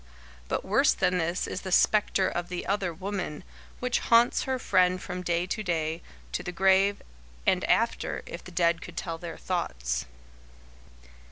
But worse than this is the spectre of "the other woman," which haunts her friend from day to day, to the grave and after, if the dead could tell their thoughts.